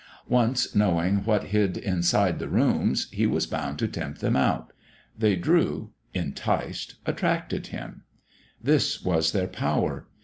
Once knowing what hid inside the rooms, he was bound to tempt them out. They drew, enticed, attracted him; this was their power.